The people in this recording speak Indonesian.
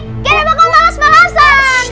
gak ada bakal males malesan